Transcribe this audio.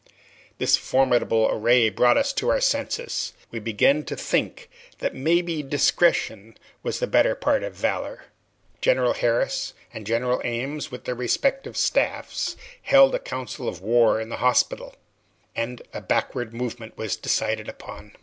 This formidable array brought us to our senses: we began to think that maybe discretion was the better part of valor. General Harris and General Ames, with their respective staffs, held a council of war in the hospital, and a backward movement was decided on.